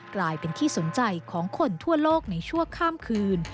กลายเป็นที่สนใจของคนทั่วโลกในชั่วข้ามคืน